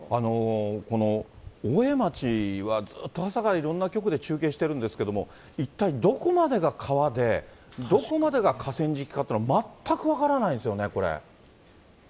この大江町は、ずっと朝からいろんな局で中継してるんですけれども、一体どこまでが川で、どこまでが河川敷かというのは全く分からないですよね、これ。